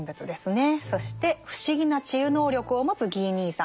そして不思議な治癒能力を持つギー兄さん。